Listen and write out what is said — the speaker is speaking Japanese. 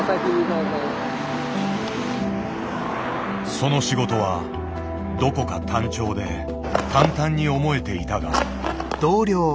その仕事はどこか単調で簡単に思えていたが。